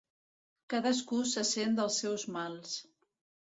Cadascú se sent dels seus mals.